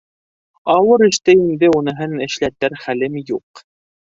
Ауыр эште инде уныһын эшләтер хәлем юҡ.